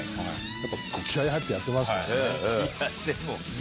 やっぱ気合入ってやってますから。